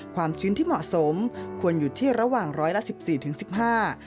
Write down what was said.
ความชื้นที่เหมาะสมควรอยู่ที่ระหว่างร้อยละ๑๔๑๕